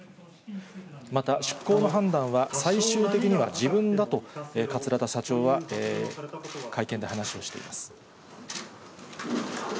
また、出航の判断は、最終的には自分だと、桂田社長は会見で話をしています。